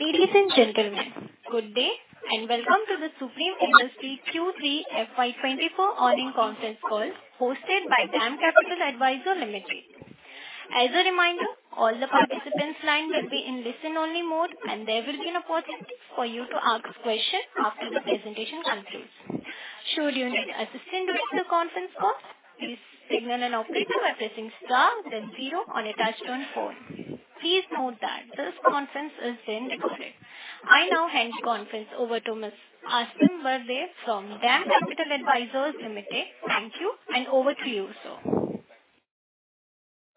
Ladies and gentlemen, good day, and welcome to the Supreme Industries Q3 FY24 earnings conference call hosted by DAM Capital Advisors Limited. As a reminder, all the participants' lines will be in listen-only mode, and there will be an opportunity for you to ask a question after the presentation concludes. Should you need assistance with the conference call, please signal an operator by pressing star then zero on a touch-tone phone. Please note that this conference is being recorded. I now hand the conference over to Mr. Aasim Bharde from DAM Capital Advisors Limited. Thank you, and over to you, sir.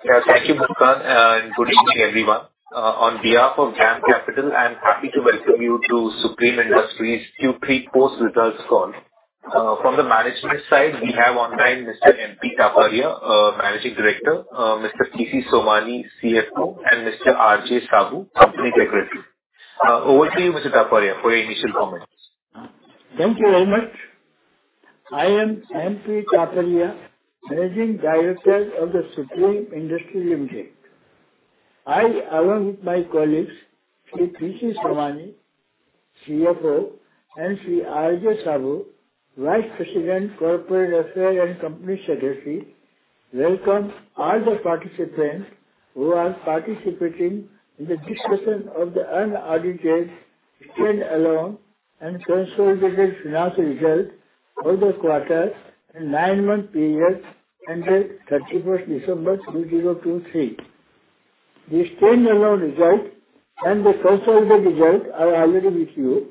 Yeah. Thank you, Muskan, and good evening, everyone. On behalf of DAM Capital, I'm happy to welcome you to Supreme Industries' Q3 post-results call. From the management side, we have online Mr. M.P. Taparia, Managing Director, Mr. P.C. Somani, CFO, and Mr. R.J. Saboo, Company Secretary. Over to you, Mr. Taparia, for your initial comments. Thank you very much. I am M.P. Taparia, Managing Director of Supreme Industries Limited. I, along with my colleagues, Sri P.C. Somani, CFO, and Sri R.J. Saboo, Vice President, Corporate Affairs and Company Secretary, welcome all the participants who are participating in the discussion of the unaudited stand-alone and consolidated financial results for the quarter and nine month period ended 31st December 2023. The stand-alone result and the consolidated result are already with you.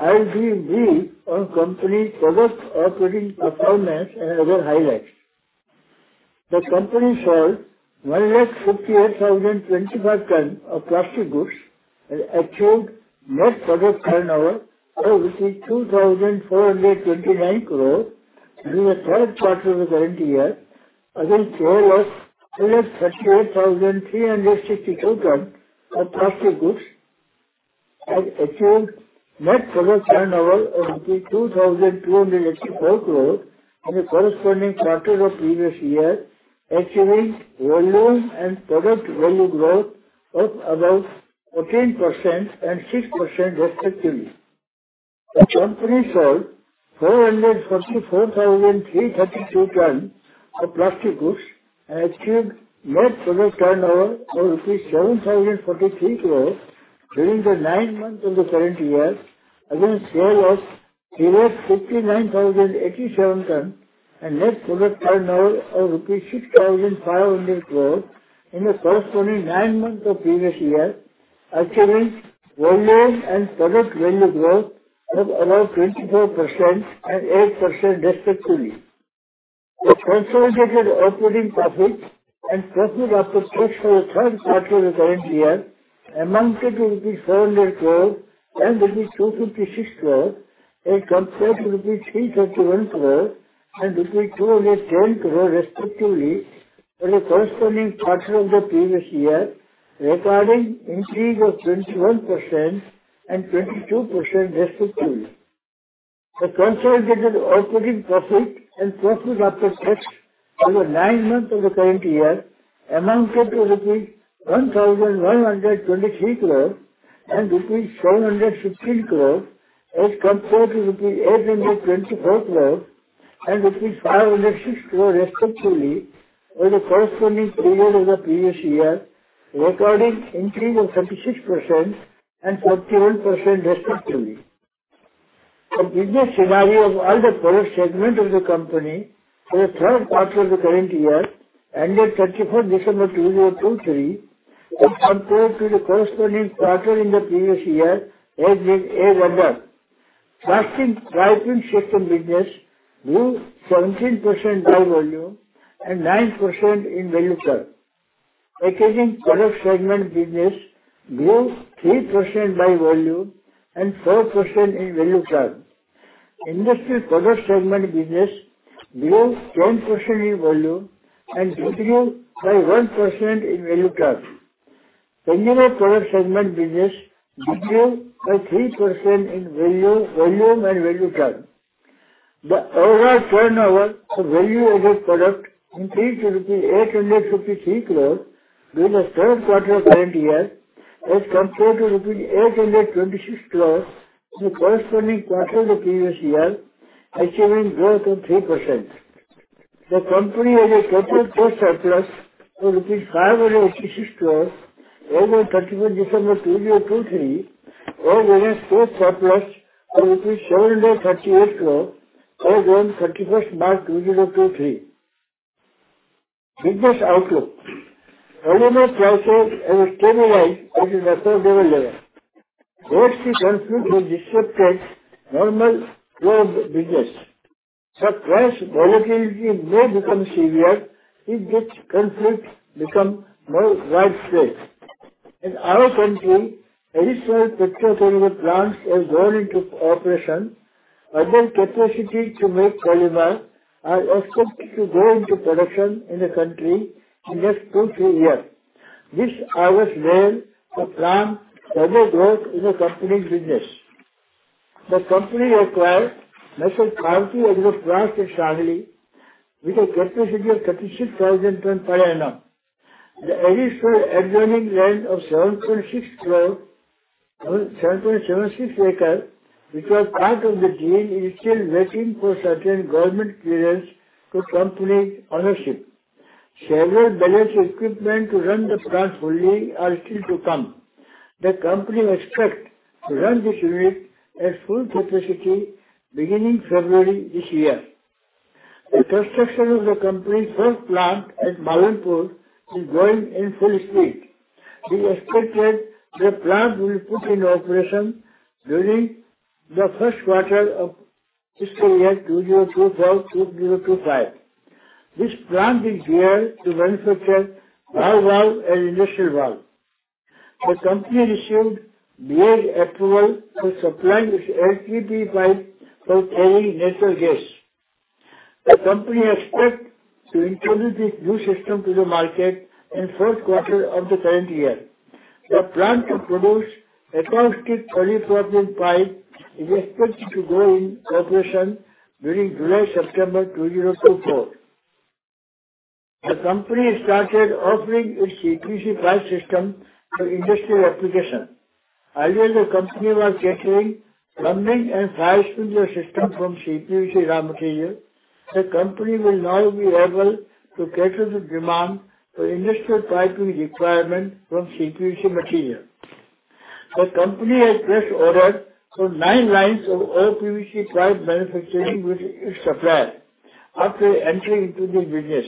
I'll give brief on company product operating performance and other highlights. The company sold 158,025 tons of plastic goods and achieved net product turnover of 2,429 crore during the third quarter of the current year, against sale of 338,362 tons of plastic goods, and achieved net product turnover of INR 2,284 crore in the corresponding quarter of previous year, achieving volume and product value growth of about 14% and 6% respectively. The company sold 444,332 tons of plastic goods and achieved net product turnover of 7,043 crore during the nine months of the current year, against sale of 359,087 tons and net product turnover of rupees 6,500 crore in the corresponding nine months of previous year, achieving volume and product value growth of around 24% and 8% respectively. The consolidated operating profit and profit after tax for the third quarter of the current year amounted to rupees 400 crore and rupees 256 crore, as compared to rupees 331 crore and rupees 210 crore respectively, for the corresponding quarter of the previous year, recording increase of 21% and 22% respectively. The consolidated operating profit and profit after tax over nine months of the current year amounted to 1,123 crore and 716 crore, as compared to 824 crore and 506 crore respectively, for the corresponding period of the previous year, recording increase of 36% and 41% respectively. The business scenario of all the product segments of the company for the third quarter of the current year, ended 31 December 2023, as compared to the corresponding quarter in the previous year, as is under: Plastic Piping segment business grew 17% by volume and 9% in value terms. Packaging Products segment business grew 3% by volume and 4% in value terms. Industrial Products segment business grew 10% in volume and grew by 1% in value terms. Polymer Products segment business decreased by 3% in value, volume, and value term. The overall turnover for value-added product increased to 853 crore rupees during the third quarter of current year, as compared to 826 crore rupees in the corresponding quarter of the previous year, achieving growth of 3%. The company had a total debt surplus of 586 crore as on 31 December 2023, and there is cash surplus of INR 738 crore as on 31 March 2023. Business outlook. Polymer prices have stabilized at an acceptable level. Russia conflict has disrupted normal flow of business. Supply volatility may become severe if this conflict become more widespread. In our country, additional petrochemical plants have gone into operation, and their capacity to make polymer are expected to go into production in the country in next two to three years. This added well for further growth in the company's business. The company acquired Parvati Agro Plast at Sangli, with a capacity of 36,000 tons per annum. The additional adjoining land of 7.76 acres, which was part of the deal, is still waiting for certain government clearance to company ownership. Several balance equipment to run the plant fully are still to come. The company expects to run this unit at full capacity beginning February this year. The construction of the company's first plant at Malanpur is going in full speed. We expected the plant will put in operation during the first quarter of this year, 2024, 2025. This plant is geared to manufacture ball valve and industrial valve. The company received BIS approval for supplying its PE pipe for carrying natural gas. The company expects to introduce this new system to the market in fourth quarter of the current year. The plant to produce acoustic polypropylene pipe is expected to go in operation during July, September 2024. The company started offering its CPVC pipe system for industrial application. Earlier, the company was catering plumbing and fire sprinkler system from CPVC raw material. The company will now be able to cater to demand for industrial piping requirement from CPVC material. The company has placed orders for 9 lines of OPVC pipe manufacturing with its supplier after entering into the business.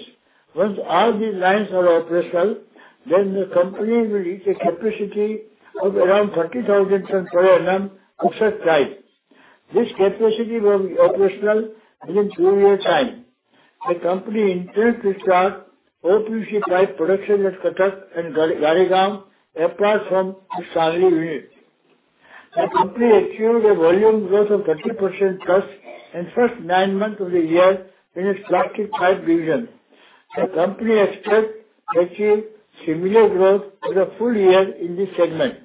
Once all these lines are operational, then the company will reach a capacity of around 30,000 tons per annum of such pipe. This capacity will be operational within two year time. The company intends to start OPVC pipe production at Cuttack and Gadegaon, apart from the Shahad unit. The company achieved a volume growth of 30%+ in first nine months of the year in its Plastic Pipe Division. The company expects to achieve similar growth for the full year in this segment.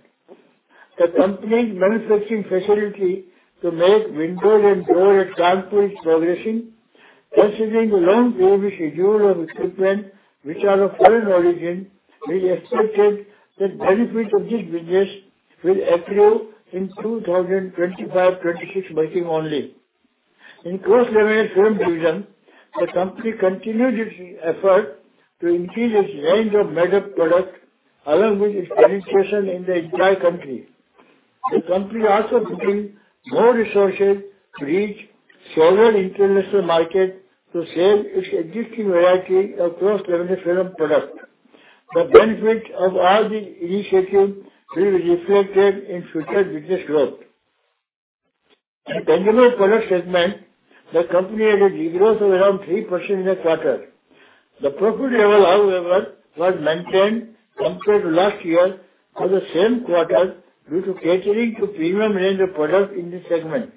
The company's manufacturing facility to make window and door at Kanpur is progressing. Considering the long delivery schedule of equipment, which are of foreign origin, we expected the benefit of this business will accrue in 2025, 2026 making only. In the cling film division, the company continued its effort to increase its range of made-up products, along with its penetration in the entire country. The company is also putting more resources to reach several international markets to sell its existing variety of cling film products. The benefit of all the initiatives will be reflected in future business growth. In the Consumer Products segment, the company had a degrowth of around 3% in the quarter. The profit level, however, was maintained compared to last year for the same quarter, due to catering to premium range of products in this segment.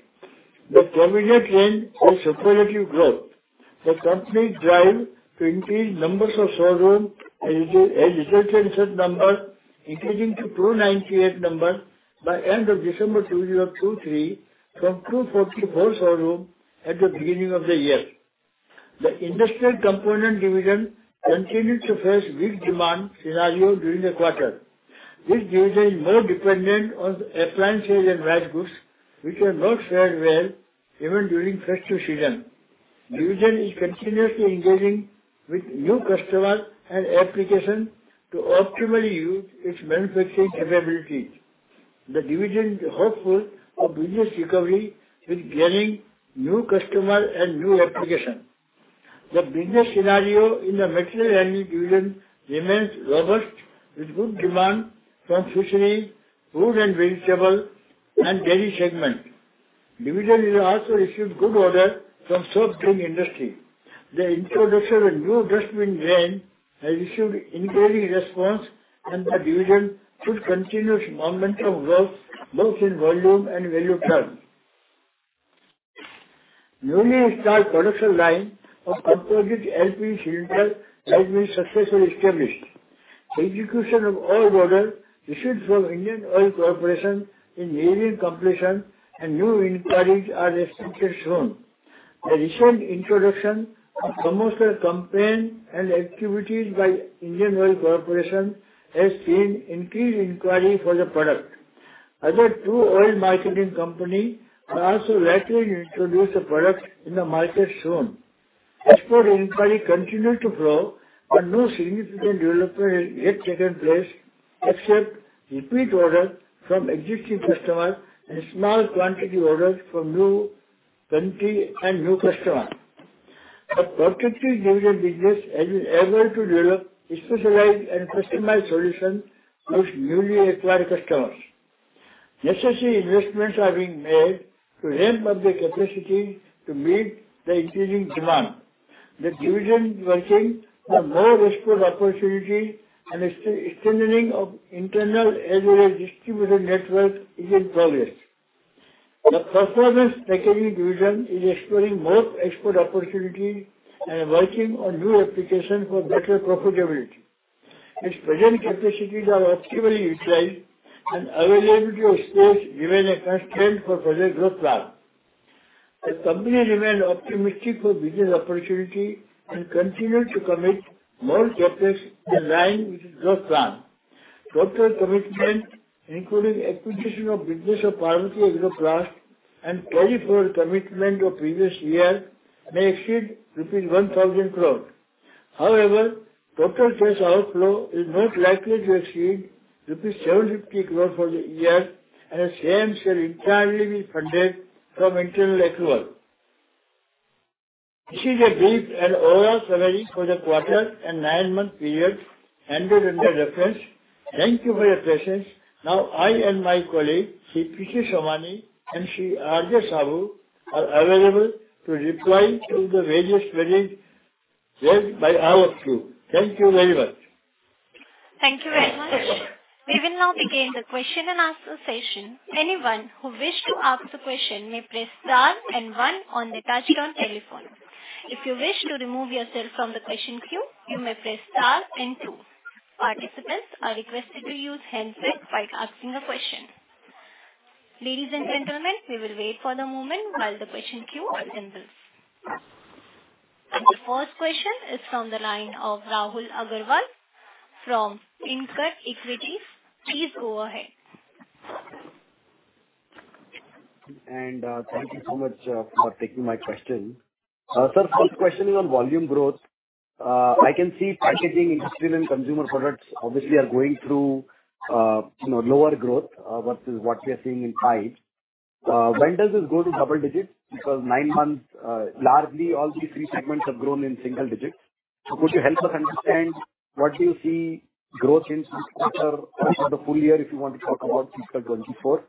The premium range has superlative growth. The company's drive to increase number of showrooms and it has resulted in certain number increasing to 298 by end of December 2023, from 244 showrooms at the beginning of the year. The Industrial Components Division continued to face weak demand scenario during the quarter. This division is more dependent on appliances and white goods, which are not sold well even during festive season. The division is continuously engaging with new customers and applications to optimally use its manufacturing capabilities. The division is hopeful of business recovery with gaining new customers and new applications. The business scenario in the Material Handling Division remains robust, with good demand from fishery, fruit and vegetable, and dairy segments. The division has also received good orders from soft drink industry. The introduction of new dustbin range has received encouraging response, and the division should continue momentum growth, both in volume and value terms. Newly installed production line of composite LPG cylinder has been successfully established. Execution of all orders received from Indian Oil Corporation is near completion, and new inquiries are expected soon. A recent introduction of promotional campaign and activities by Indian Oil Corporation has seen increased inquiry for the product. Other two oil marketing company will also likely introduce the product in the market soon. Export inquiry continued to flow, but no significant development has yet taken place, except repeat orders from existing customers and small quantity orders from new country and new customers. The Protective Packaging Division business has been able to develop a specialized and customized solution for its newly acquired customers. Necessary investments are being made to ramp up the capacity to meet the increasing demand. The division is working for more export opportunities, and extending of internal as well as distribution network is in progress. The Performance Packaging Division is exploring more export opportunity and working on new application for better profitability... Its present capacities are optimally utilized and availability of space given a constraint for further growth plan. The company remains optimistic for business opportunity and continue to commit more CapEx in line with the growth plan. Total commitment, including acquisition of business of Parvati Agro Plast, and carry forward commitment of previous year, may exceed rupees 1,000 crore. However, total cash outflow is not likely to exceed rupees 750 crore for the year, and the same shall entirely be funded from internal accrual. This is a brief and overall summary for the quarter and nine-month period ended in the reference. Thank you for your patience. Now, I and my colleague, Sri P.C. Somani, and Sri R.J. Saboo, are available to reply to the various queries raised by all of you. Thank you very much. Thank you very much. We will now begin the question and answer session. Anyone who wish to ask a question may press star and one on the touchtone telephone. If you wish to remove yourself from the question queue, you may press star and two. Participants are requested to use handset while asking the question. Ladies and gentlemen, we will wait for the moment while the question queue opens. The first question is on the line of Rahul Agarwal from InCred Equities. Please go ahead. Thank you so much for taking my question. Sir, first question is on volume growth. I can see packaging, industrial, and consumer products obviously are going through, you know, lower growth, versus what we are seeing in pipe. When does this go to double digits? Because nine months, largely all these three segments have grown in single digits. So could you help us understand what do you see growth in this quarter or the full year, if you want to talk about fiscal 2024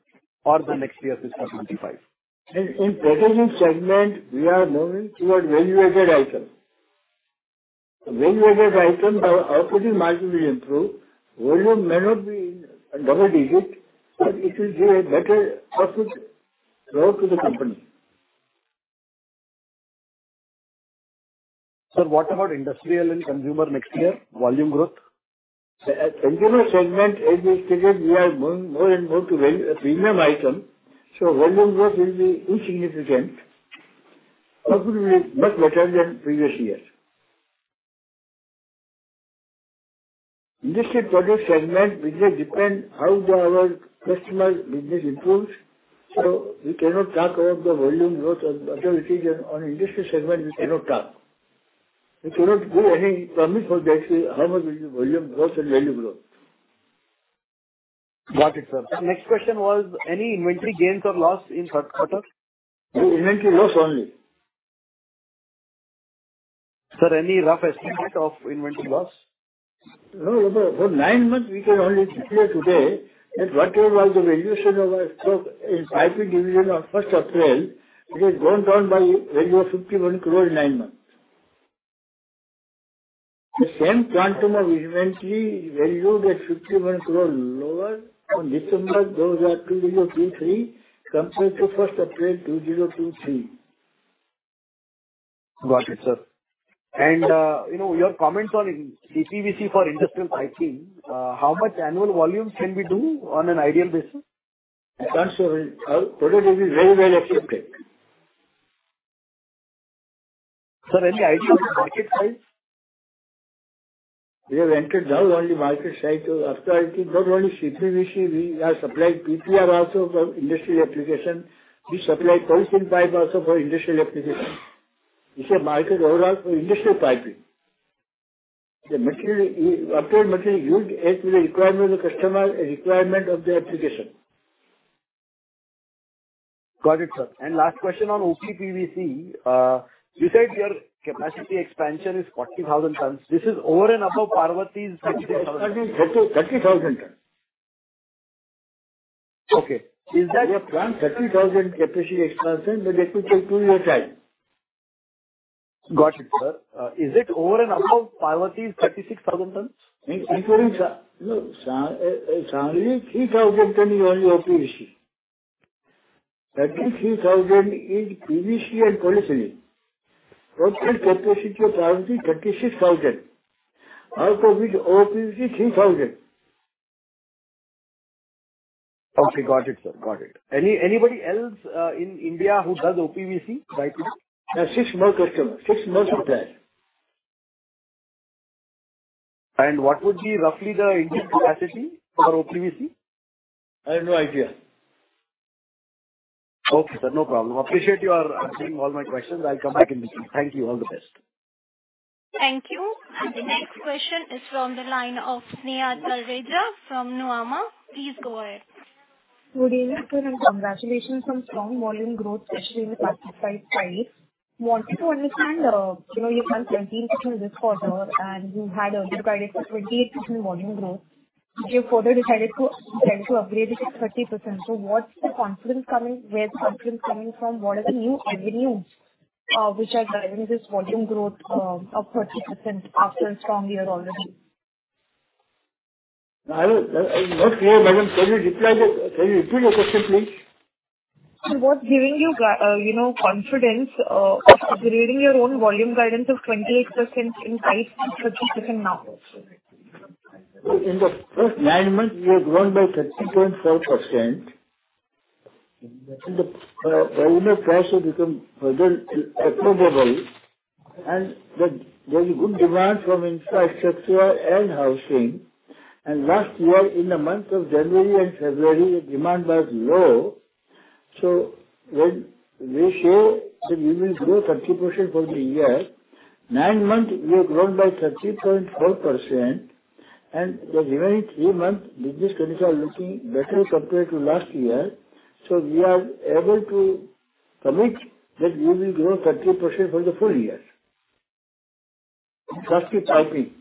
or the next year, fiscal 2025? In packaging segment, we are moving toward value-added item. Value-added item, our output in market will improve. Volume may not be in double digits, but it will be a better output growth to the company. Sir, what about industrial and consumer next year, volume growth? Consumer segment, as we stated, we are moving more and more to premium item, so volume growth will be insignificant. Hopefully, much better than previous years. Industry product segment, which will depend how our customer business improves, so we cannot talk about the volume growth of other region. On industry segment, we cannot talk. We cannot give any promise of how much will be volume growth and value growth. Got it, sir. Next question was, any inventory gains or loss in third quarter? Inventory loss only. Sir, any rough estimate of inventory loss? No, for nine months, we can only clear today that whatever was the valuation of our stock in IP division on April 1, 2023, it has gone down by value of 51 crore in 9 months. The same quantum of inventory valued at 51 crore lower on December 2023, compared to April 1, 2023. Got it, sir. You know, your comments on CPVC for industrial piping, how much annual volume can we do on an ideal basis? I'm not sure. Our product is very, very accepted. Sir, any idea of the market size? We have entered now only market side. So after I think not only CPVC, we are supplying PPR also for industrial application. We supply plastic pipe also for industrial application. It's a market overall for industrial piping. The material is... after material used, as to the requirement of the customer and requirement of the application. Got it, sir. Last question on OPVC. You said your capacity expansion is 40,000 tons. This is over and above Parvati's 30,000- 30,000. Okay. Is that- Your plant, 30,000 capacity expansion, may take 2 years time. Got it, sir. Is it over and above Parvati's 36,000 tons? Including, currently 3,000 tons is only OPVC. 33,000 in PVC and plumbing. Total capacity of Parvati, 36,000, out of which OPVC, 3,000. Okay, got it, sir. Got it. Anybody else in India who does OPVC piping? Six more customers, six more customers. What would be roughly the capacity for OPVC? I have no idea. Okay, sir, no problem. Appreciate your answering all my questions. I'll come back in the queue. Thank you. All the best. Thank you. The next question is from the line of Sneha Talreja from Nuvama. Please go ahead. Good evening, sir, and congratulations on strong volume growth, especially in the plastic pipes side. Wanted to understand, you know, you have 17% this quarter, and you had earlier guided for 28% volume growth. You've further decided to upgrade it to 30%. So what's the confidence coming? Where's the confidence coming from? What are the new avenues which are driving this volume growth of 30% after a strong year already? I will not clear, madam. Can you repeat your question, please?... Sir, what's giving you, you know, confidence, reading your own volume guidance of 28% in 5, 36 and now? In the first nine months, we have grown by 30.4%, and the volume price has become further approachable, and there is good demand from infrastructure and housing. Last year, in the month of January and February, demand was low. So when we say that we will grow 30% for the year, nine months we have grown by 30.4%, and the remaining three months, business conditions are looking better compared to last year. We are able to commit that we will grow 30% for the full year. Plastic piping.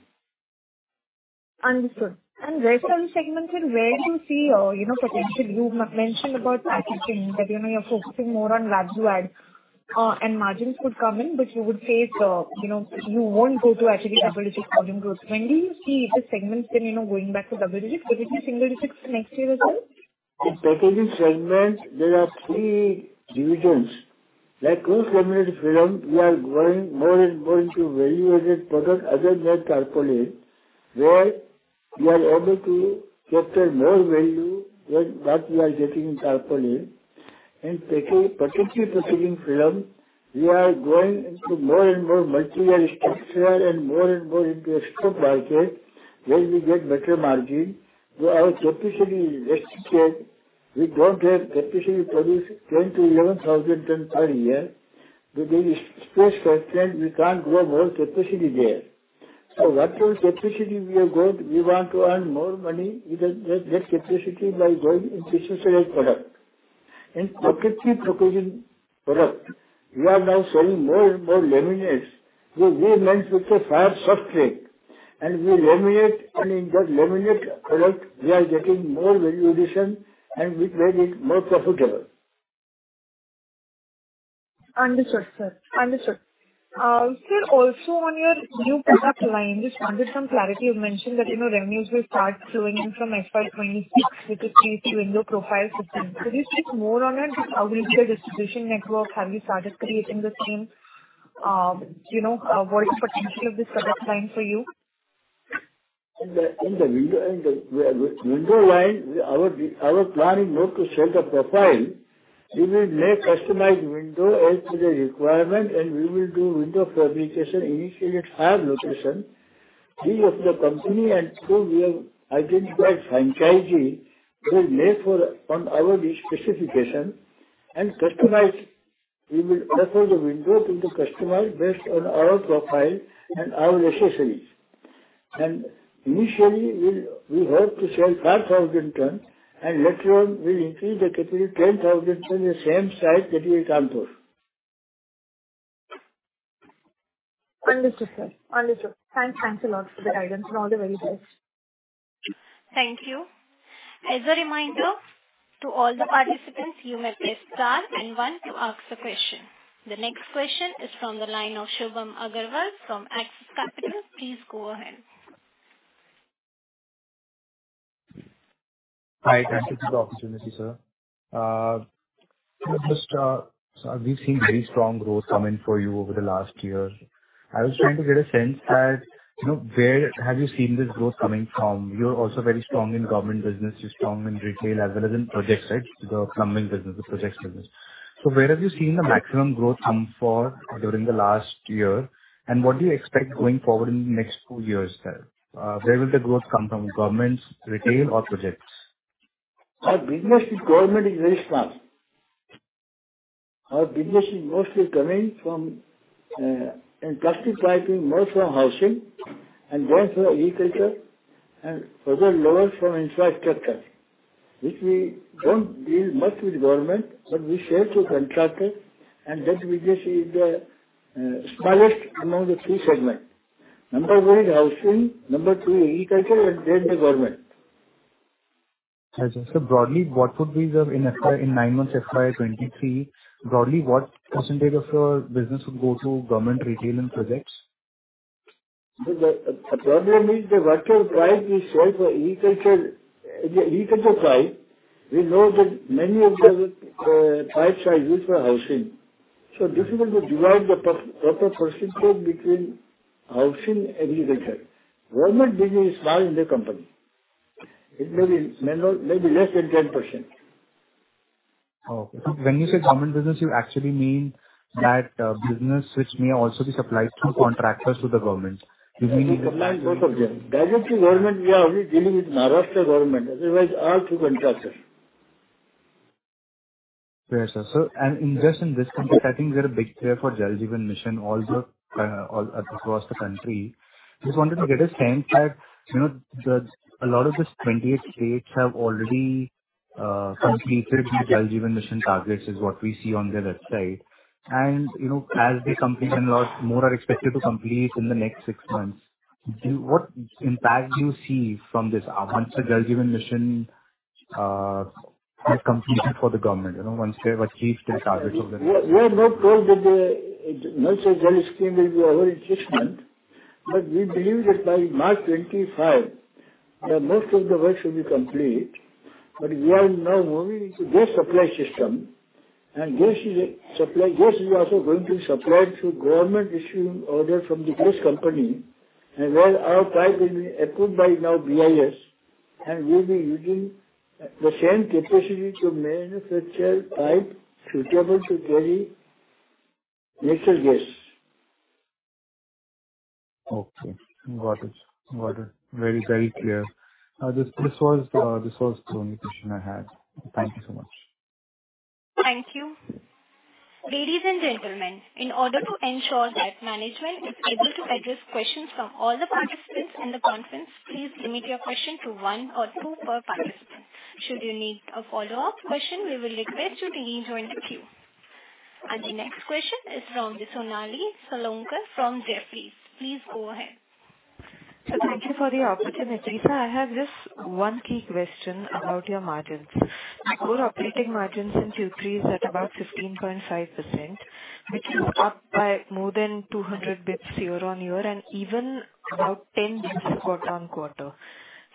Understood. And rest on segments, sir, where do you see, you know, potential? You mentioned about packaging, that, you know, you're focusing more on value add, and margins would come in, but you would say, you know, you won't go to actually double-digit volume growth. When do you see the segments then, you know, going back to double digits? Will it be single digits for next year as well? In packaging segment, there are three divisions. Like cross laminated film, we are growing more and more into value-added product other than tarpaulin, where we are able to capture more value than what we are getting in tarpaulin. In packing, particularly packaging film, we are going into more and more material structure and more and more into a export market where we get better margin. So our capacity is restricted. We don't have capacity to produce 10,000-11,000 tons per year. Because space-constrained, we can't grow more capacity there. So what capacity we have got, we want to earn more money, even just get capacity by going into specialized product. In protective packaging product, we are now selling more and more laminates. We went with a fire substrate, and we laminate, and in that laminate product, we are getting more value addition, and we made it more profitable. Understood, sir. Understood. Sir, also on your new product line, just wanted some clarity. You mentioned that, you know, revenues will start flowing in from FY 2026, which is phase two window profile system. Could you speak more on it? How is your distribution network? Have you started creating the same, you know, what is potential of this product line for you? In the window line, our plan is not to sell the profile. We will make customized window as per the requirement, and we will do window fabrication, initially at five locations. These are the company, and so we have identified franchisee will make for on our specification and customize. We will offer the window to the customer based on our profile and our accessories. And initially, we'll hope to sell 5,000 tons, and later on we increase the capacity, 10,000 tons, the same site that we will come to. Understood, sir. Understood. Thanks a lot for the guidance and all the very best. Thank you. As a reminder to all the participants, you may press star and one to ask a question. The next question is from the line of Shubham Aggarwal from Axis Capital. Please go ahead. Hi, thanks for the opportunity, sir. Just, so we've seen very strong growth come in for you over the last year. I was trying to get a sense at, you know, where have you seen this growth coming from? You're also very strong in government business, you're strong in retail as well as in project side, the plumbing business, the projects business. So where have you seen the maximum growth come from during the last year, and what do you expect going forward in the next two years, sir? Where will the growth come from, governments, retail, or projects? Our business with government is very small. Our business is mostly coming from, in plastic piping, more from housing and then from agriculture, and further lower from infrastructure, which we don't deal much with government, but we sell to contractors, and that business is the, smallest among the three segments. Number one is housing, number two, agriculture, and then the government. I just, broadly, what would be the... In FY, in nine months, FY 2023, broadly, what percentage of your business would go to government, retail, and projects? The problem is that what type we sell for agriculture, the agriculture type, we know that many of the types are used for housing. So difficult to divide the proper percentage between housing and agriculture. Government business is small in the company. It may be maybe, maybe less than 10%. Okay. When you say government business, you actually mean that business which may also be supplied through contractors to the government. You mean- We supply both of them. Directly government, we are only dealing with Maharashtra government, otherwise, all through contractors. Yeah, sir. So, and just in this context, I think there are big play for Jal Jeevan Mission all the, all across the country. Just wanted to get a sense that, you know, the, a lot of the twenty states have already completed the Jal Jeevan Mission targets, is what we see on their website. And, you know, as they complete and a lot more are expected to complete in the next six months, what impact do you see from this, once the Jal Jeevan Mission is completed for the government, you know, once they have achieved their targets of the- We are not told that the Jal Jeevan Mission will be over this month. But we believe that by March 2025, that most of the work should be complete. But we are now moving into gas supply system, and gas is also going to be supplied through government issuing order from the gas company, and where our pipe will be approved by BIS now, and we'll be using the same capacity to manufacture pipe suitable to carry natural gas. Okay, got it. Got it. Very, very clear. This, this was the only question I had. Thank you so much. Thank you. Ladies and gentlemen, in order to ensure that management is able to address questions from all the participants in the conference, please limit your question to one or two per participant. Should you need a follow-up question, we will request you to rejoin the queue. The next question is from Sonali Salgaonkar from Jefferies. Please go ahead. So thank you for the opportunity, sir. I have just one key question about your margins. Your operating margins in Q3 is at about 15.5%, which is up by more than 200 basis points year-on-year and even about 10 basis points quarter-on-quarter.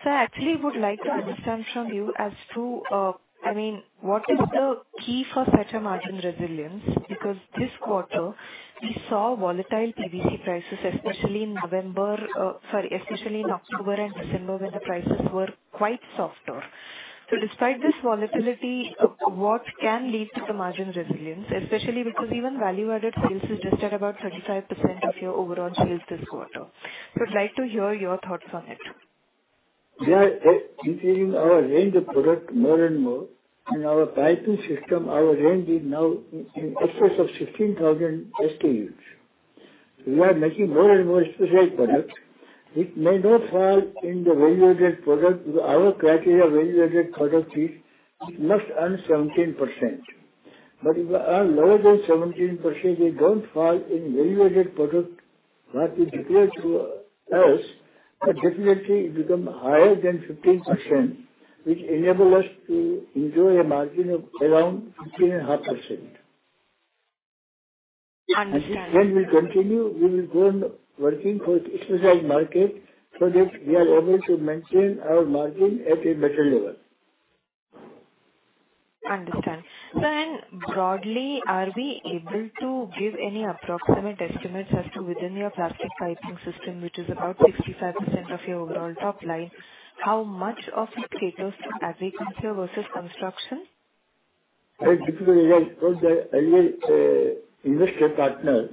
So I actually would like to understand from you as to, I mean, what is the key for better margin resilience? Because this quarter we saw volatile PVC prices, especially in November, sorry, especially in October and December, when the prices were quite softer. So despite this volatility, what can lead to the margin resilience, especially because even value-added sales is just at about 35% of your overall sales this quarter. So I'd like to hear your thoughts on it. We are increasing our range of product more and more, and our piping system, our range is now in excess of 16,000 SKUs. We are making more and more specialized products. It may not fall in the value-added product. Our criteria of value-added product is, it must earn 17%. But if are lower than 17%, they don't fall in value-added product, what we declare to us, but definitely it become higher than 15%, which enable us to enjoy a margin of around 15.5%. Understand. This trend will continue. We will go on working for specialized market, so that we are able to maintain our margin at a better level. Understand. So then broadly, are we able to give any approximate estimates as to within your plastic piping system, which is about 65% of your overall top line, how much of it caters to agriculture versus construction? Very difficult, as I told the earlier, investor partner,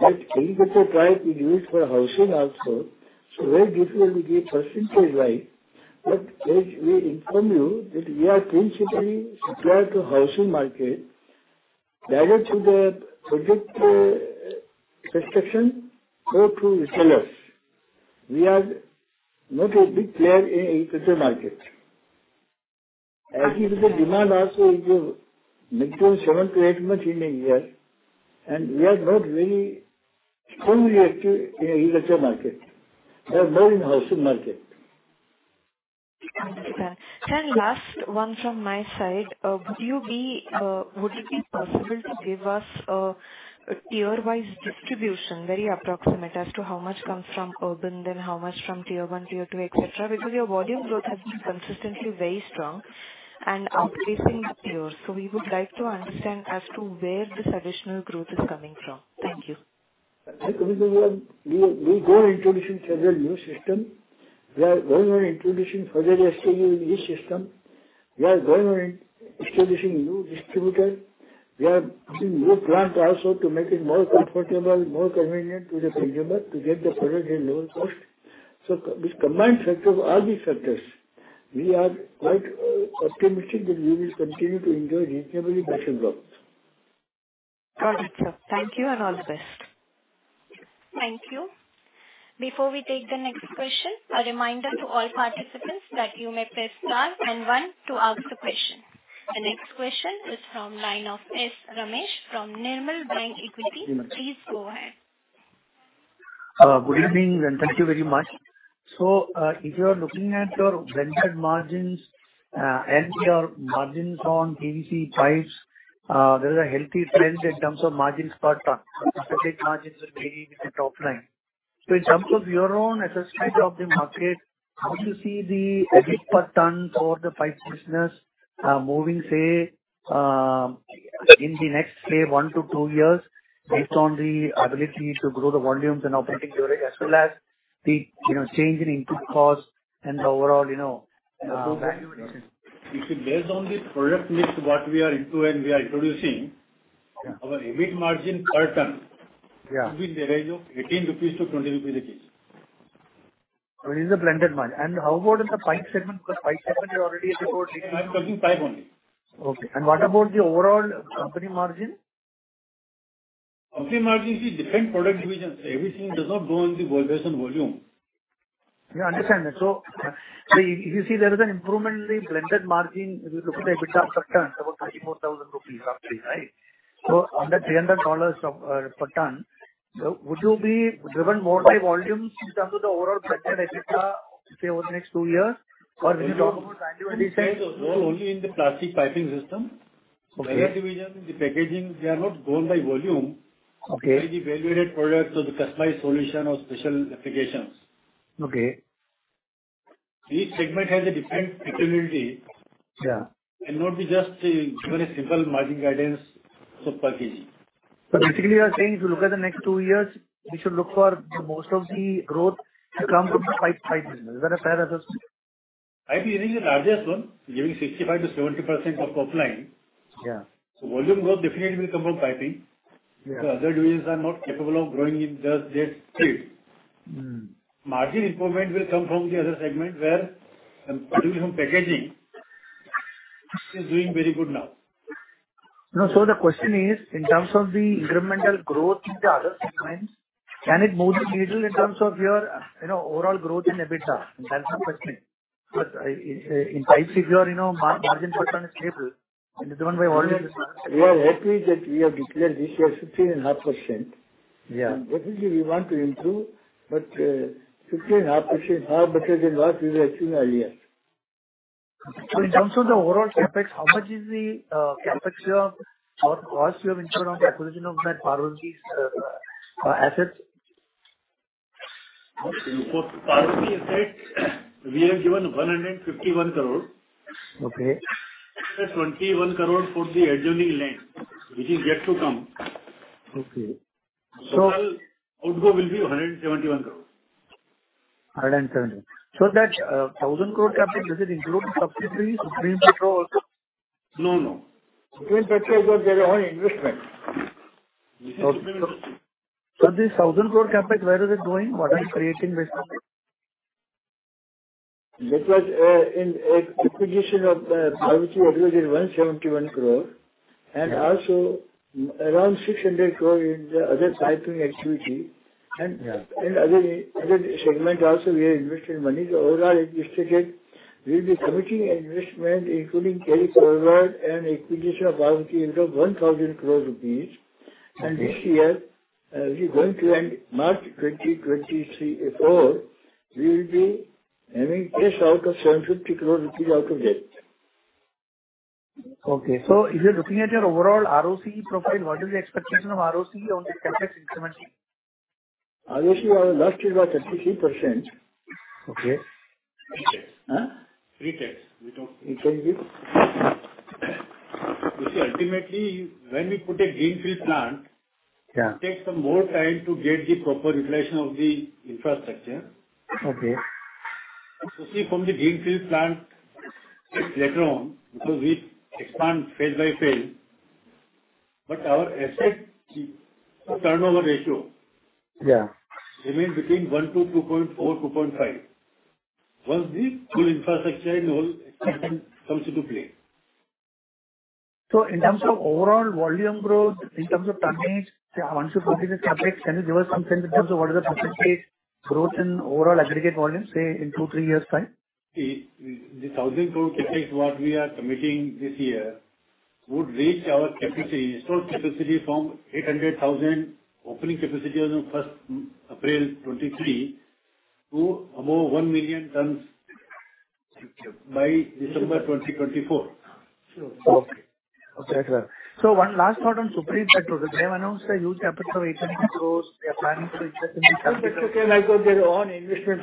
that agriculture pipe is used for housing also, so very difficult to give percentage-wise. But as we inform you, that we are principally supplier to housing market, either through the project, construction or through resellers. We are not a big player in agriculture market. Actually, the demand also is, minimum 7%-8% in a year, and we are not very strongly active in agriculture market. We are more in housing market. Understand. And last one from my side. Would you be, would it be possible to give us, a tier-wise distribution, very approximate, as to how much comes from urban, then how much from tier one, tier two, et cetera? Because your volume growth has been consistently very strong and outpacing peers. So we would like to understand as to where this additional growth is coming from. Thank you. I tell you, we are going on introducing several new systems. We are going on introducing further SKUs in each system. We are going on introducing new distributors. We are using new plants also to make it more comfortable, more convenient to the consumer to get the product at lower cost. So, this combined effect of all these factors, we are quite optimistic that we will continue to enjoy reasonably better growth. Got it, sir. Thank you, and all the best. Thank you. Before we take the next question, a reminder to all participants that you may press star and one to ask the question. The next question is from line of S. Ramesh from Nirmal Bang Equities. Please go ahead. Good evening, and thank you very much. If you are looking at your blended margins, and your margins on PVC pipes, there is a healthy trend in terms of margins per ton. Specific margins are varying with the top line. In terms of your own assessment of the market, how do you see the EBIT per ton for the pipe business moving, say, in the next, say, one to two years, based on the ability to grow the volumes and operating leverage, as well as the, you know, change in input costs and overall, you know, valuation? If you base on the product mix, what we are into and we are introducing- Yeah. Our EBIT margin per ton- Yeah. Will be in the range of INR 18-INR 20 at least. This is a blended margin. How about in the pipe segment? Because pipe segment is already at about- I'm talking pipe only. Okay, and what about the overall company margin? Company margin, see different product divisions. Everything does not go on the basis of volume. Yeah, I understand that. So, you see there is an improvement in the blended margin. If you look at the EBITDA per ton, it's about 24,000 rupees roughly, right? So under $300 of, per ton. So would you be driven more by volume in terms of the overall blended EBITDA, say, over the next two years? Or we talk about value add side. No, only in the Plastic Piping System.... Okay, Division in the packaging, they are not going by volume. Okay. They be evaluated products or the customized solution or special applications. Okay. Each segment has a different flexibility. Yeah. Not be just a very simple margin guidance of per kg. Basically, you are saying, if you look at the next two years, we should look for most of the growth to come from the pipe, pipe business. Is that a fair assessment? I believe the largest one, giving 65%-70% of top line. Yeah. Volume growth definitely will come from piping. Yeah. The other divisions are not capable of growing in just that field. Mm. Margin improvement will come from the other segment, where and particularly from packaging is doing very good now. No, so the question is, in terms of the incremental growth in the other segments, can it move the needle in terms of your, you know, overall growth in EBITDA? That's my question. But, in pipe figure, you know, margin put on is stable, and it's driven by volume. We are happy that we have declared this year 15.5%. Yeah. Obviously, we want to improve, but 15.5% is far better than what we were actually in the earlier. So, in terms of the overall CapEx, how much is the CapEx you have or cost you have incurred on the acquisition of that Parvati's assets? For Parvati asset, we have given 151 crore. Okay. Plus 21 crore for the adjoining land, which is yet to come. Okay. So- Total outgo will be 171 crore. 171 crore. So that, 1,000 crore CapEx, does it include subsequently Supreme Petro also? No, no. Supreme Petrochem is their own investment. This 1,000 crore CapEx, where is it going? What are you creating with it? Because, in acquisition of Parvati, which is 171 crore, and also around 600 crore in the other piping activity. Yeah. And other segment also we are investing money. So overall, it is stated, we'll be committing investment, including carry forward and acquisition of Parvati, into 1,000 crore rupees. And this year, we're going to end March 2023-24, we will be having cash out of INR 750 crore out of debt. Okay. If you're looking at your overall ROCE profile, what is the expectation of ROCE on the CapEx incrementally? ROCE, our last year was 33%. Okay. Pre-tax. Uh? Pre-tax, without- Pre-tax, yes. You see, ultimately, when we put a greenfield plant- Yeah. It takes some more time to get the proper utilization of the infrastructure. Okay. To see from the greenfield plant later on, because we expand phase by phase, but our asset turnover ratio- Yeah. remains between 1-2.4, 2.5. Once the full infrastructure and the whole expansion comes into play. In terms of overall volume growth, in terms of tonnage, once you put in the CapEx, can you give us some sense in terms of what is the potential growth in overall aggregate volume, say, in two, three years' time? The 1,000 crore CapEx what we are committing this year would reach our capacity, total capacity from 800,000 opening capacity on 1 April 2023 to about 1,000,000 tons by December 2024. Okay. Okay, sir. One last point on Supreme Petro. They have announced a huge CapEx of INR 800 crore. They are planning to invest in the capital. That's okay, like, their own investment.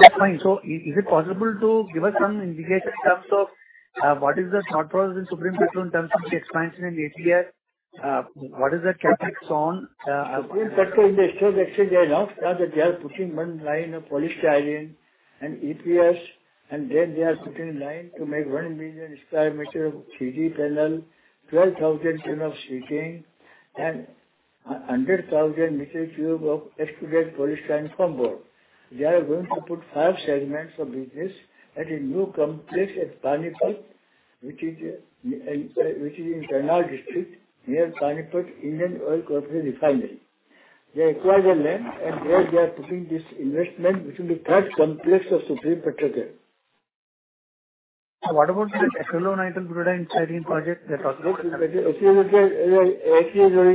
That's fine. So is it possible to give us some indicator in terms of what is the thought process in Supreme Petro in terms of the expansion in EPS? What is the CapEx on, Supreme Petrochem, in the stock exchange, they announced that they are putting one line of polystyrene and EPS, and then they are putting a line to make 1 million square meters of 3D Panel, 12,000 tons of sheeting, and 100,000 cubic meters of extruded polystyrene foam board. They are going to put five segments of business at a new complex at Panipat, which is in Karnal District, near Panipat, Indian Oil Corporation Refinery. They acquired the land, and there they are putting this investment, which will be third complex of Supreme Petrochem. What about the ethylene, butadiene, styrene project that also? Ethylene,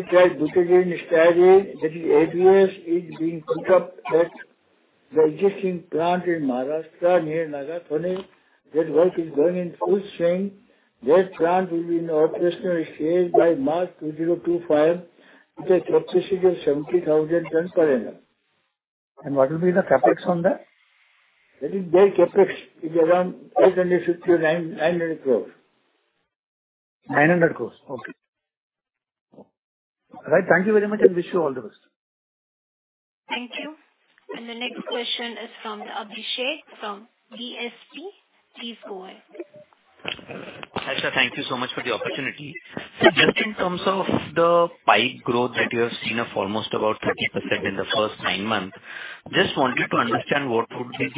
butadiene, styrene, that is ABS, is being put up at the existing plant in Maharashtra, near Nagothane. That work is going in full swing. That plant will be in operational phase by March 2025, with a capacity of 70,000 tons per annum. What will be the CapEx on that? That is their CapEx. It's around 850 crore-900 crore. 900 crore. Okay. All right. Thank you very much, and wish you all the best. Thank you. The next question is from Abhishek, from DSP. Please go ahead. Hi, sir. Thank you so much for the opportunity. Just in terms of the pipe growth that you have seen of almost about 30% in the first nine months, just wanted to understand what would be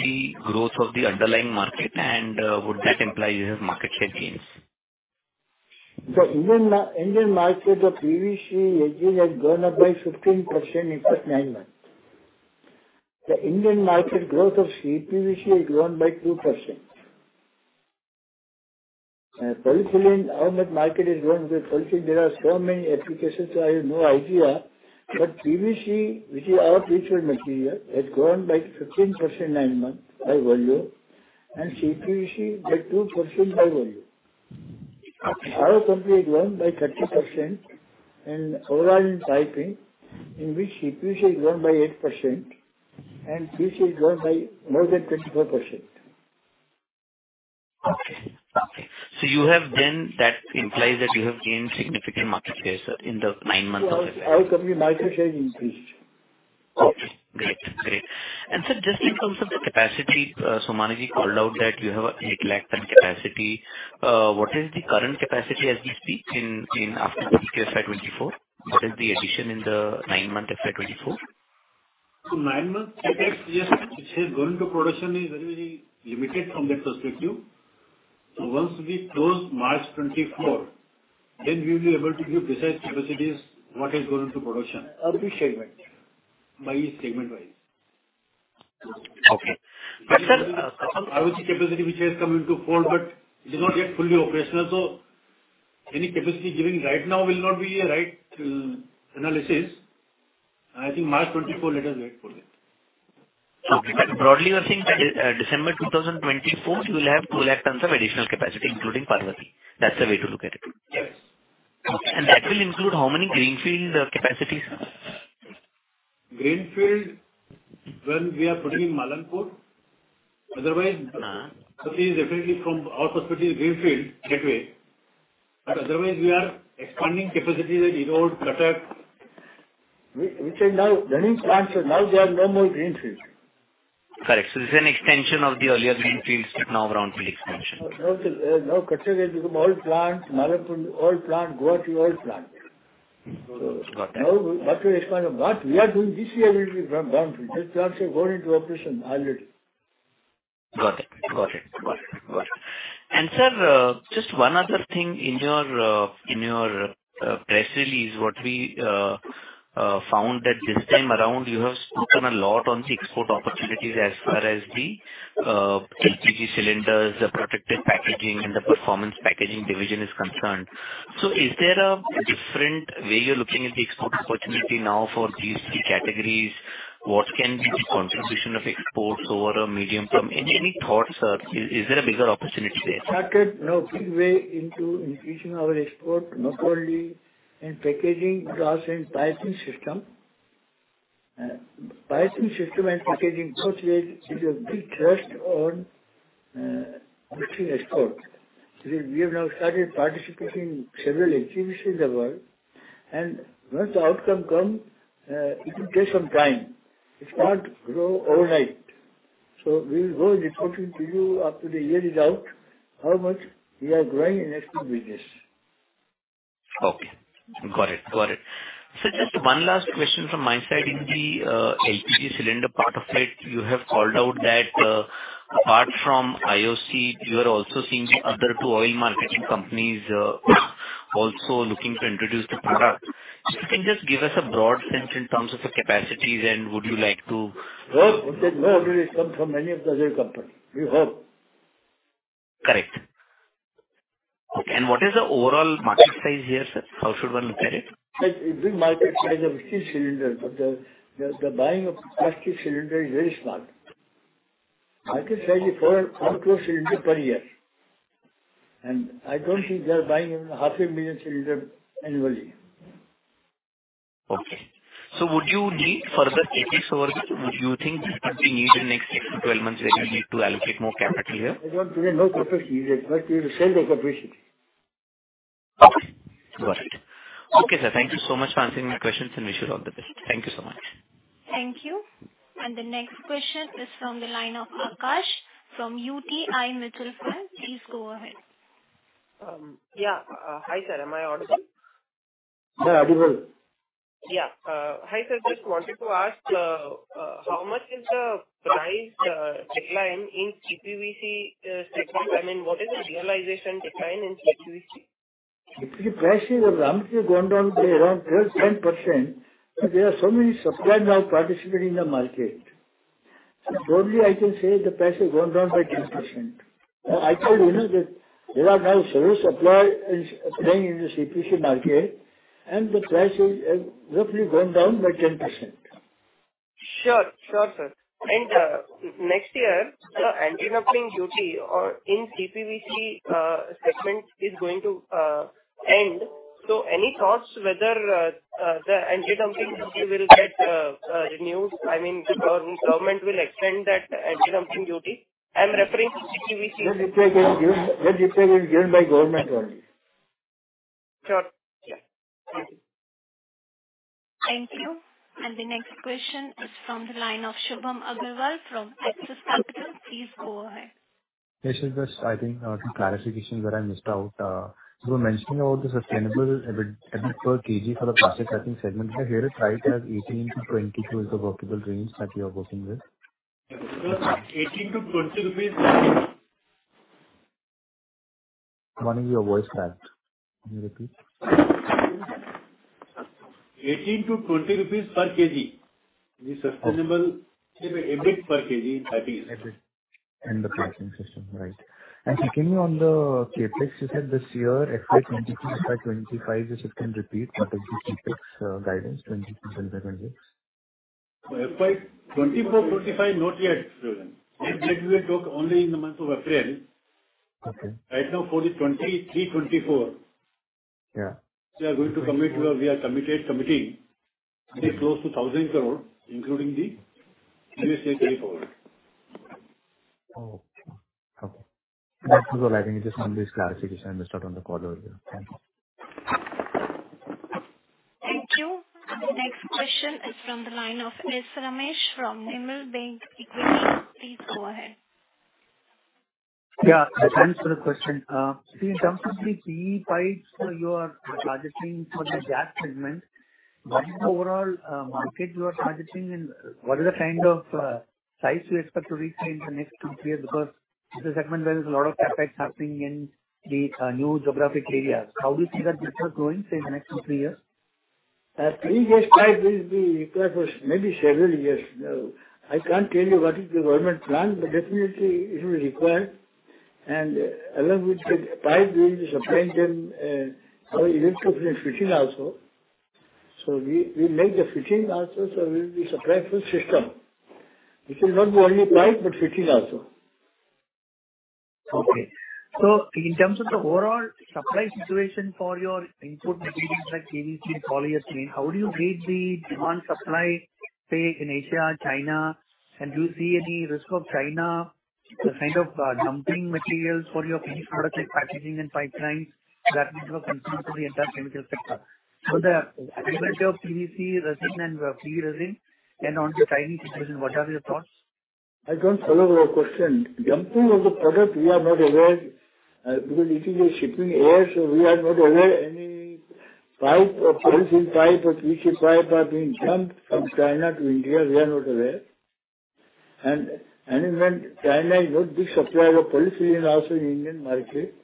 the growth of the underlying market, and would that imply you have market share gains? The Indian market of PVC, PVC has grown up by 15% in the first nine months. The Indian market growth of CPVC has grown by 2%. Polyolefin, how that market is growing? The polyolefin, there are so many applications, so I have no idea. But PVC, which is our featured material, has grown by 15% nine months by volume, and CPVC by 2% by volume. Our company has grown by 30% and overall in piping, in which CPVC has grown by 8% and PVC has grown by more than 24%. Okay. Okay. So you have then, that implies that you have gained significant market share, sir, in the nine months of the year. Our company market share increased. Okay, great. Great. And, sir, just in terms of the capacity, so Somani ji called out that you have a 800,000-ton capacity. What is the current capacity as we speak in after the Q1 FY 2024? What is the addition in the nine months of FY 2024? So nine months, I think, yes, which is going to production is very, very limited from that perspective. So once we close March 2024, then we will be able to give precise capacities, what is going into production. Of the segment. By segment-wise. Okay. But, sir- I would see capacity, which has come into fold, but it is not yet fully operational. So any capacity giving right now will not be a right, analysis. I think March 2024, let us wait for that. Okay. But broadly, you're saying, December 2024, you will have 200,000 tons of additional capacity, including Parvati. That's the way to look at it? Yes. That will include how many greenfield capacities? greenfield, one we are putting in Malanpur. Otherwise- Uh. Everything is definitely from our perspective is greenfield gateway. But otherwise we are expanding capacity at Erode, Cuttack. We said now running plants, so now they are no more greenfield. Correct. So this is an extension of the earlier greenfields, but now brownfield expansion. Now Cuttack has become old plant, Malanpur old plant, Guwahati old plant. Got it. Now, what we expand, what we are doing this year will be from brownfield. These plants have gone into operation already. Got it. Got it. Got it. Got it. Sir, just one other thing in your press release, what we found that this time around you have spoken a lot on the export opportunities as far as the LPG cylinders, the protected packaging and the Performance Packaging Division is concerned. So is there a different way you're looking at the export opportunity now for these three categories? What can be the contribution of exports over a medium term? Any thoughts, sir? Is there a bigger opportunity there? Started now big way into increasing our export, not only in packaging, but also in piping system. Piping system and packaging both ways is a big thrust on boosting export. We have now started participating in several exhibitions in the world, and once the outcome come, it will take some time. It can't grow overnight. So we will go and reporting to you after the year is out, how much we are growing in export business. Okay. Got it. Got it. So just one last question from my side. In the LPG cylinder part of it, you have called out that, apart from IOC, you are also seeing the other two oil marketing companies also looking to introduce the product. If you can just give us a broad sense in terms of the capacities and would you like to- Hope, we said hope it will come from many of the other companies. We hope. Correct. Okay, and what is the overall market size here, sir? How should one look at it? It's a big market size of 15 cylinders, but the buying of plastic cylinders is very small. Market size is 4,000 cylinders per year, and I don't think they are buying even 500,000 cylinders annually. Okay. So would you need further capacity for it? Would you think that you need in the next six to 12 months, that you need to allocate more capital here? I don't think no capacity is required. We will sell the capacity. Okay. Got it. Okay, sir. Thank you so much for answering my questions, and wish you all the best. Thank you so much. Thank you. And the next question is from the line of Akash from UTI Mutual Fund. Please go ahead. Yeah. Hi, sir. Am I audible? Yeah, audible. Yeah. Hi, sir. Just wanted to ask, how much is the price decline in CPVC segment? I mean, what is the realization decline in CPVC? The price has roughly gone down by around 10%. There are so many suppliers now participating in the market. So probably I can say the price has gone down by 10%. I told you that there are now several suppliers playing in the CPVC market, and the price has roughly gone down by 10%. Sure. Sure, sir. And next year, the anti-dumping duty on CPVC segment is going to end. So any thoughts whether the anti-dumping duty will get renewed? I mean, the government will extend that anti-dumping duty. I'm referring to CPVC. That detail is given by government only. Sure. Yeah. Thank you. The next question is from the line of Shubham Agarwal from Axis Capital. Please go ahead. Yes, sir, just I think some clarification that I missed out. So mentioning about the sustainable, I think, per kg for the plastic packaging segment. So here it's right, as 18-22 is the workable range that you are working with? Sir, INR 18-INR 20. One of your voice cracked. Can you repeat? INR 18-INR 20 per kg.... The sustainable, EBIT per kg piping. The pricing system, right? Can you on the CapEx, you said this year, FY 22-25, if you can repeat what is the CapEx guidance, 22 till 26? FY 2024, 2025, not yet relevant. That we will talk only in the month of April. Okay. Right now for the 2023-2024- Yeah. We are committed, committing very close to 1,000 crore, including the carry forward. Oh, okay. That is all. I think it's just some misclarification I missed out on the call earlier. Thank you. Thank you. The next question is from the line of Mr. S. Ramesh from Nirmal Bang Equities. Please go ahead. Yeah, thanks for the question. In terms of the PE pipes, so you are budgeting for the Jal Jeevan segment, what is the overall market you are budgeting? And what is the kind of size you expect to reach in the next two, three years? Because this segment, there is a lot of CapEx happening in the new geographic areas. How do you see that business growing, say, in the next two, three years? Three years pipe will be required for maybe several years. I can't tell you what is the government plan, but definitely it will be required. And along with the pipe, we will be supplying them our electric fitting also. So we, we make the fitting also, so we'll be supplying full system. It will not be only pipe, but fitting also. Okay. So in terms of the overall supply situation for your input materials, like PVC and polyester, how do you gauge the demand supply, say, in Asia, China? And do you see any risk of China, the kind of, dumping materials for your finished products, like packaging and pipelines, that may continue for the entire chemical sector? So the availability of PVC resin and PE resin, and on the timing situation, what are your thoughts? I don't follow your question. Dumping of the product, we are not aware, because it is a shipping area, so we are not aware any pipe or poly pipe or PVC pipe are being dumped from China to India. We are not aware. And when China is not big supplier of poly also in Indian market,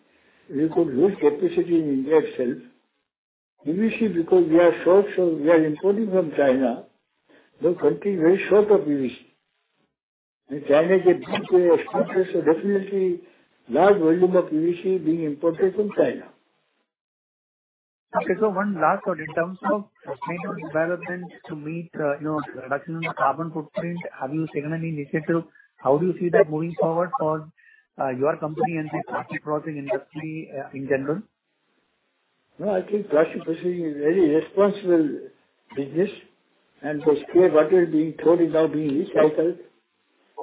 we could build capacity in India itself. PVC because we are short, so we are importing from China. The country is very short of PVC, and China is a big exporter, so definitely large volume of PVC is being imported from China. Okay. So one last one: In terms of sustainable development to meet, you know, reduction in carbon footprint, have you seen any initiative? How do you see that moving forward for, your company and the plastic processing industry, in general? No, I think plastic processing is very responsible business, and the scrap material being thrown is now being recycled.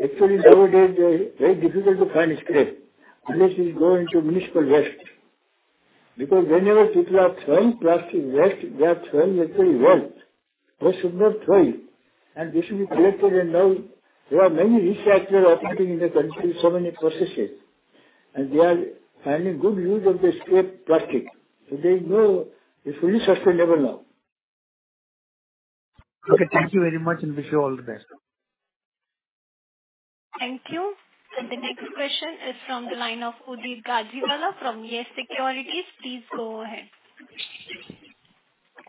Actually, nowadays, very difficult to find scrap unless it's going to municipal waste. Because whenever people are throwing plastic waste, they are throwing actually waste. They should not throw it, and this should be collected. And now there are many recyclers operating in the country, so many processes, and they are finding good use of the scrap plastic. So there is no... It's fully sustainable now. Okay, thank you very much, and wish you all the best. Thank you. And the next question is from the line of Udit Gajiwala from YES Securities. Please go ahead.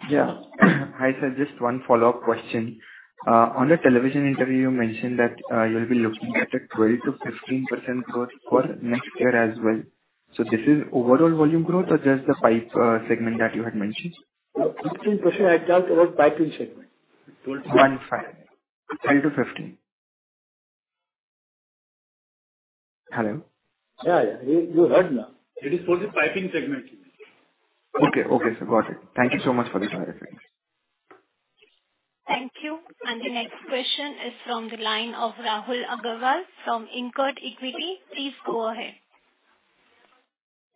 Yeah. Hi, sir, just one follow-up question. On the television interview, you mentioned that you'll be looking at a 12%-15% growth for next year as well. So this is overall volume growth or just the pipe segment that you had mentioned? 15%, I talked about piping segment. 12% to 15% 12% to 15%. Hello? Yeah, yeah. You heard now? It is for the piping segment. Okay, okay, sir. Got it. Thank you so much for the clarification. Thank you. The next question is from the line of Rahul Aggarwal from InCred Equities. Please go ahead.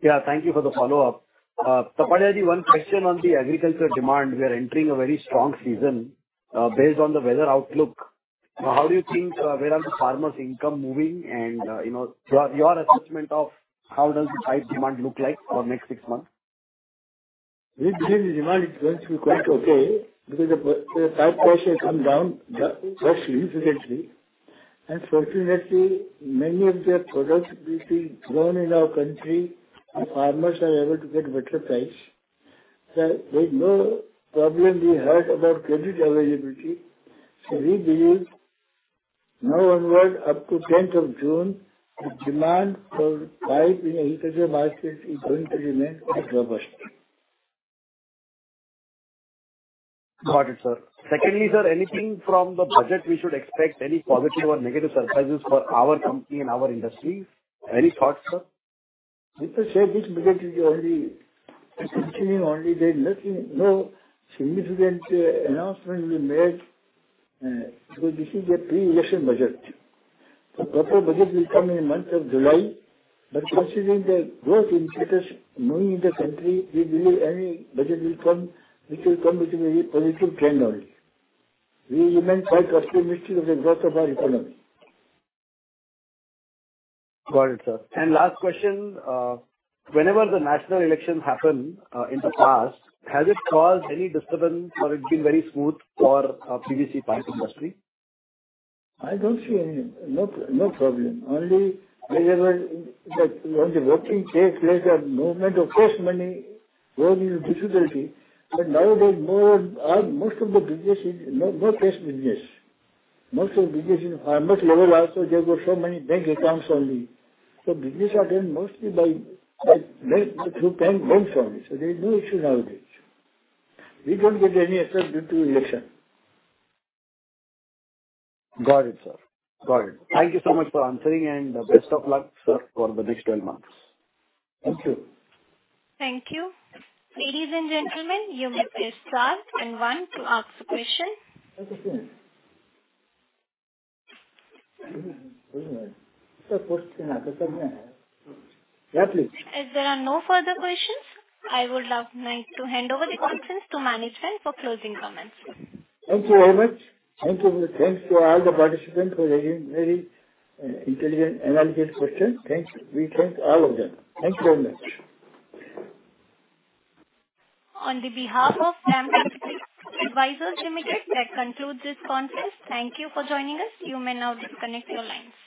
Yeah, thank you for the follow-up. Tapariaji, one question on the agriculture demand. We are entering a very strong season, based on the weather outlook. How do you think where are the farmers' income moving? And, you know, your, your assessment of how does the pipe demand look like for next six months? We believe the demand is going to be quite okay, because the pipe price has come down significantly. Fortunately, many of the products which is grown in our country, the farmers are able to get better price. There's no problem we had about credit availability. We believe now onward, up to tenth of June, the demand for pipe in the agriculture market is going to remain robust. Got it, sir. Secondly, sir, anything from the budget we should expect any positive or negative surprises for our company and our industry? Any thoughts, sir? With the share, this budget will be only continuing, only there nothing, no significant announcement we made, so this is a pre-election budget. The proper budget will come in the month of July, but considering the growth indicators moving in the country, we believe any budget will come, which will come with a very positive trend only. We remain quite optimistic of the growth of our economy. Got it, sir. And last question, whenever the national elections happen, in the past, has it caused any disturbance or it's been very smooth for PVC pipe industry? I don't see any. No, no problem. Only whenever, when the voting takes place, the movement of cash, money, there will be difficulty. But nowadays, more, most of the business is no, no cash business. Most of business in farmers level also, they've got so many bank accounts only. So business are done mostly by, like, through bank, banks only, so they do it nowadays. We don't get any effect due to election. Got it, sir. Got it. Thank you so much for answering, and best of luck, sir, for the next 12 months. Thank you. Thank you. Ladies and gentlemen, you may start. Anyone to ask a question. Okay, sure. If there are no further questions, I would love now to hand over the conference to management for closing comments. Thank you very much. Thank you. Thanks to all the participants for raising very, intelligent, analytical questions. Thanks. We thank all of them. Thank you very much. On behalf of Samvardhan Advisors Limited, that concludes this conference. Thank you for joining us. You may now disconnect your lines.